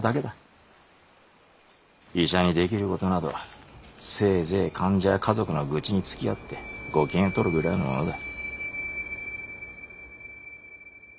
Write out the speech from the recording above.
医者にできることなどせいぜい患者や家族の愚痴につきあってご機嫌をとるくらいのものだ。